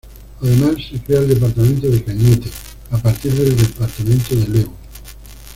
Además se crea el departamento de Cañete, a partir del Departamento de Lebu.